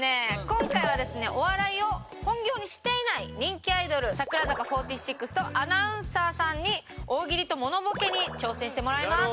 今回はですねお笑いを本業にしていない人気アイドル櫻坂４６とアナウンサーさんに大喜利とモノボケに挑戦してもらいます。